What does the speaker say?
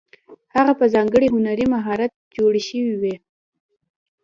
هغه په ځانګړي هنري مهارت جوړې شوې وې.